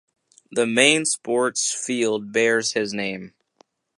The main sports field bears his name.